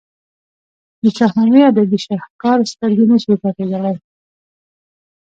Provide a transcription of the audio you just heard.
د شاهنامې ادبي شهکار سترګې نه شي پټېدلای.